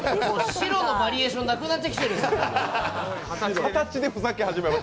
白のバリエーションなくなってきてる。